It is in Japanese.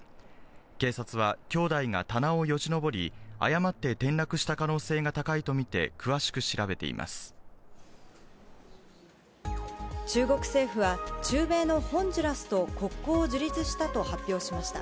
警察は、兄弟が棚をよじのぼり、誤って転落した可能性が高いと見て詳しく中国政府は、中米のホンジュラスと国交を樹立したと発表しました。